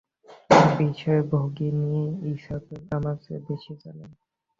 এ বিষয়ে ভগিনী ইসাবেল আমার চেয়ে বেশী জানেন।